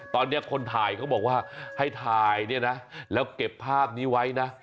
ตอนนี้คนถ่ายเขาบอกว่าให้ถ่ายเนี่ยนะแล้วเก็บภาพนี้ไว้นะ